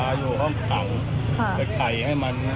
แต่ตอนที่ผู้ต้องหาวิ่งออกมาพี่วิ่งตามมาใช่ไหม